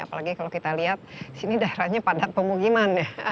apalagi kalau kita lihat di sini daerahnya padat pemugiman ya